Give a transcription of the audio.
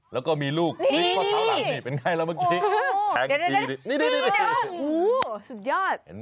แล้วก็มีลูกลิ้งข้าวหลังนี่เป็นไงแล้วเมื่อกี้แพงตีนี่นี่อู๊วสุดยอด